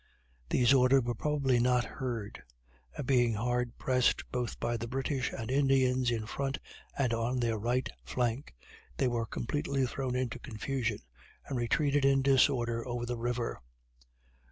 These orders were probably not heard, and being hard pressed both by the British and Indians in front and on their right flank, they were completely thrown into confusion, and retreated in disorder over the river.